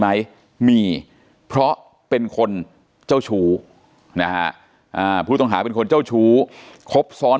ไหมมีเพราะเป็นคนเจ้าชู้นะฮะผู้ต้องหาเป็นคนเจ้าชู้ครบซ้อน